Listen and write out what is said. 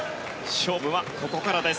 勝負はここからです。